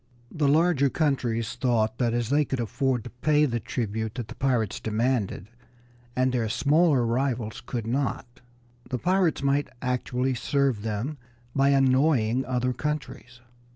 The larger countries thought that, as they could afford to pay the tribute that the pirates demanded, and their smaller rivals could not, the pirates might actually serve them by annoying other countries.